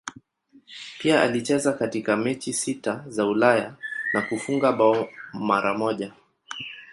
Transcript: Pia alicheza katika mechi sita za Ulaya na kufunga bao mara moja.